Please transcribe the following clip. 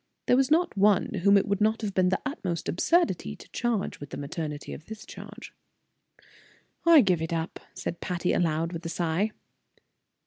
There was not one whom it would not be the utmost absurdity to charge with the maternity of this charge. "I give it up," said Patty aloud, with a sigh.